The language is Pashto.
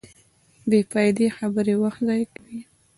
بېفائدې خبرې وخت ضایع کوي.